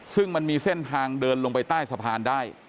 ซึ่งมันมีเส้นทางเดินลงไปใต้สะพานได้